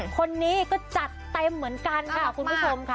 คนนี้ก็จัดเต็มเหมือนกันค่ะคุณผู้ชมค่ะ